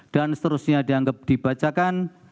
dan seterusnya dianggap dibacakan